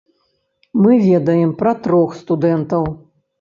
Мы ведаем пра трох студэнтаў.